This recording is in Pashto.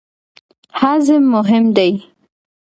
هضم مهم دی.